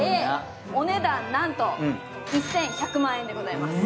お値段なんと１１００万円でございます。